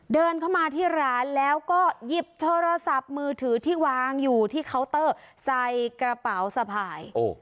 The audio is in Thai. เดินเข้ามาที่ร้านแล้วก็หยิบโทรศัพท์มือถือที่วางอยู่ที่เคาน์เตอร์ใส่กระเป๋าสะพาย